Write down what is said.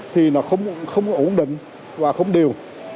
thì nó không ổn định và không điều